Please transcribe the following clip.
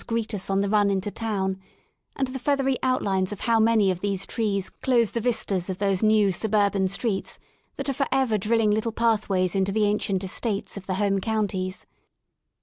greet us on the run into town; and the feathery outlines of how many of these trees close the vistas of those new suburban streets that are for ever drilling little pathways into the ancient estates " of the home counties?